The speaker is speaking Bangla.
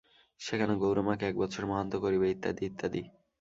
সেখানে গৌর-মাকে এক বৎসর মহান্ত করিবে ইত্যাদি ইত্যাদি।